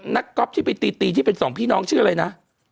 ก๊อฟที่ไปตีตีที่เป็นสองพี่น้องชื่ออะไรนะ